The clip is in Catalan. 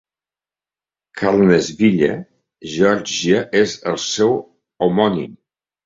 Carnesville, Geòrgia és el seu homònim.